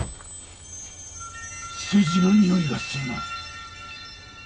数字のにおいがするな。